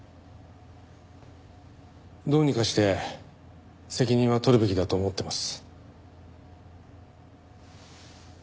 どうにかして責任は取るべきだと思ってます。